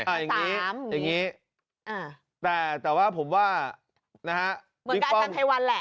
อย่างนี้อย่างนี้แต่แต่ว่าผมว่านะฮะเหมือนกับอาจารย์ไพวันแหละ